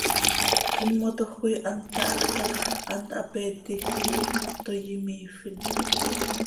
Quiimotoj coi hant táhajca x, hant hapeetij quij toii imiifin.